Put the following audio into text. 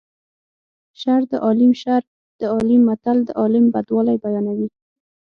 شر د عالیم شر د عالیم متل د عالم بدوالی بیانوي